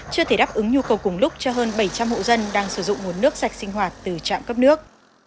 chưa thể đáp ứng nhu cầu cùng lúc cho hơn bảy trăm linh hộ dân đang sử dụng nguồn nước sạch sinh hoạt từ trạm cấp nước